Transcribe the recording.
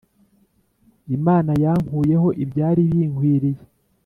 imana yankuyeho ibyari binkwiriye